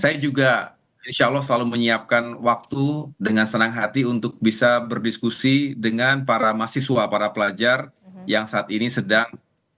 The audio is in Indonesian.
saya juga insya allah selalu menyiapkan waktu dengan senang hati untuk bisa berdiskusi dengan para mahasiswa para pelajar yang saat ini sedang